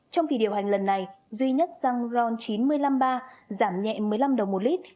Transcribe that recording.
trong kỳ điều hành lần này duy nhất xăng ron chín trăm năm mươi ba giảm nhẹ một mươi năm đồng một lít